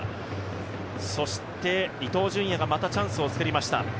そして伊東純也がまたチャンスを作りました。